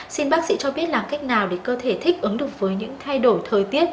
xin bác sĩ cho biết làm cách nào để cơ thể thích ứng được với những thay đổi thời tiết